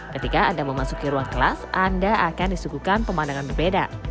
ketika anda memasuki ruang kelas anda akan disuguhkan pemandangan berbeda